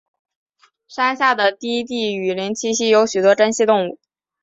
山下的低地雨林栖息有许多珍稀动物。